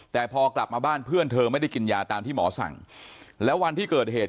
แต่พอกลับมาบ้านเพื่อนเธอไม่ได้กินยาตามที่หมอสั่งแล้ววันที่เกิดเหตุ